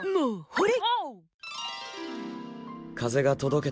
ほれ！